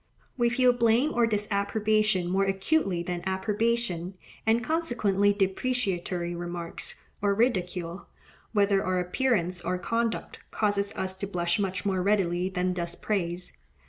We feel blame or disapprobation more acutely than approbation; and consequently depreciatory remarks or ridicule, whether of our appearance or conduct, causes us to blush much more readily than does praise.